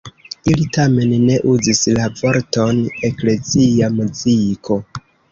Ili tamen ne uzis la vorton „eklezia muziko“.